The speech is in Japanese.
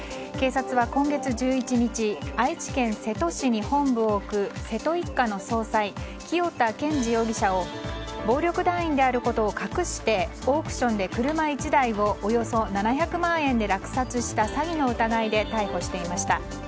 警察は今月１１日愛知県瀬戸市に本部を置く瀬戸一家の総裁清田健二容疑者を暴力団員であることを隠してオークションで車１台をおよそ７００万円で落札した詐欺の疑いで逮捕していました。